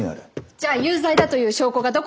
じゃあ有罪だという証拠がどこにあるんです？